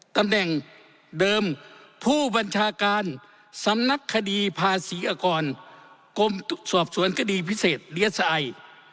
ตำแหน่งเดิมผู้บัญชาการสำนักคดีภาษีอากรกรมสอบสวนคดีพิเศษเรียสไอ